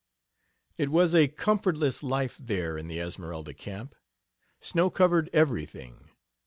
It was a comfortless life there in the Esmeralda camp. Snow covered everything.